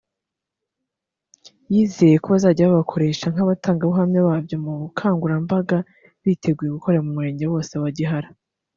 yizeye ko bazajya babakoresha nk’abatangabuhamya babyo mu bukangurambaga biteguye gukora mu murenge wose wa Gihara